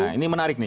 nah ini menarik nih